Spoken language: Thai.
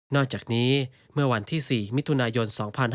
อกจากนี้เมื่อวันที่๔มิถุนายน๒๕๕๙